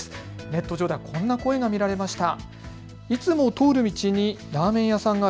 ネット上ではこんな声が見られました。